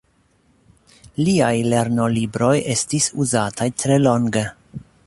Liaj lernolibroj estis uzataj tre longe.